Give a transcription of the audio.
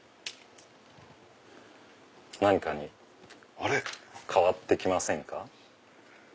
何かに変わって来ませんか？